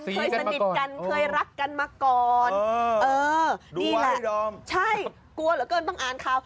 เคยสนิทกันเคยรักกันมาก่อนเออนี่แหละใช่กลัวเหลือเกินต้องอ่านข่าว